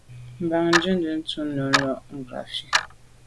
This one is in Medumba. Mbàŋ jɔ̌ŋnə́ túʼdə́ nə̀ lú láʼ ngrāfí.